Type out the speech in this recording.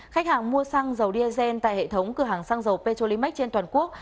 khách hàng mua xăng dầu diazen tại hệ thống cửa hàng xăng dầu petrolimex trên toàn quốc